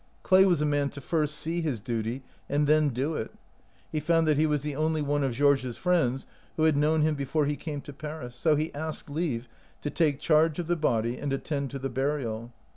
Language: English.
Clay was a man to first see his duty and then do it. He found that he was the only one of Georges* friends who had known, him before he came to Paris, so he asked leave to take charge of the body and attend to the burial.